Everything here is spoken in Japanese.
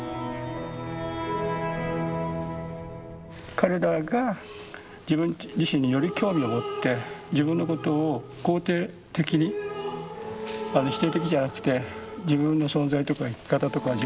彼らが自分自身により興味を持って自分のことを肯定的に否定的じゃなくて自分の存在とか生き方とか自分の工夫考え方